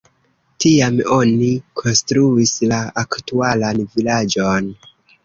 Tiam oni konstruis la aktualan vilaĝon.